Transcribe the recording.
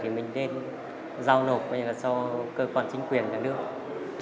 thì mình nên giao nộp gọi là cho cơ quan chính quyền cả nước